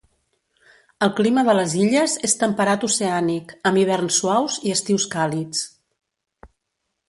El clima de les illes és temperat oceànic, amb hiverns suaus i estius càlids.